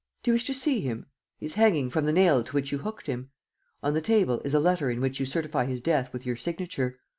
Do you wish to see him? He is hanging from the nail to which you hooked him. On the table is a letter in which you certify his death with your signature.